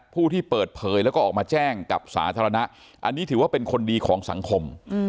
ผู้ที่เปิดเผยแล้วก็ออกมาแจ้งกับสาธารณะอันนี้ถือว่าเป็นคนดีของสังคม